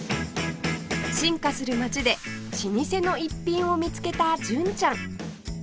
進化する街で老舗の逸品を見つけた純ちゃん